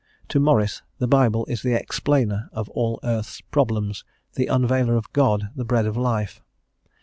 To Maurice the Bible is the explainer of all earth's problems, the unveiler of God, the Bread of Life.